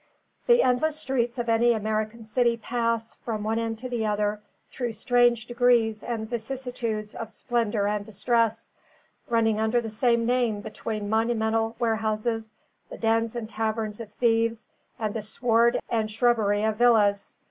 The endless streets of any American city pass, from one end to another, through strange degrees and vicissitudes of splendour and distress, running under the same name between monumental warehouses, the dens and taverns of thieves, and the sward and shrubbery of villas.